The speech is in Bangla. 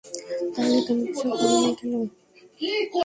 তাহলে তুমি কিছু করো নি কেন?